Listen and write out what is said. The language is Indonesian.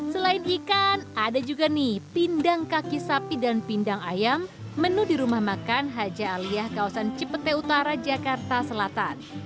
selain ikan ada juga nih pindang kaki sapi dan pindang ayam menu di rumah makan haja aliyah kawasan cipete utara jakarta selatan